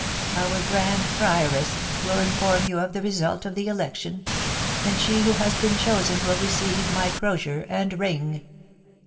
Our grand prioress will inform you of the result of the election, and she who has been chosen will receive my crozier and ring."